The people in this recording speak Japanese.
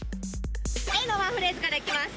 Ａのワンフレーズからいきます